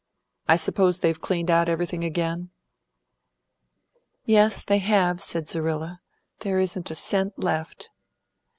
I suppose they've cleaned everything out again?" "Yes, they have," said Zerrilla; "there isn't a cent left."